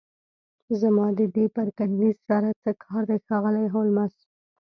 زما د دې پرکینز سره څه کار دی ښاغلی هولمز